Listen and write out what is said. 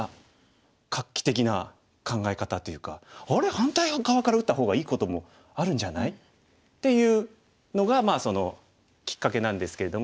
反対側から打った方がいいこともあるんじゃない？」っていうのがきっかけなんですけれども。